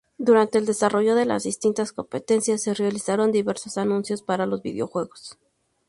Durante el desarrollo de las distintas competencias se realizaron diversos anuncios para los videojuegos.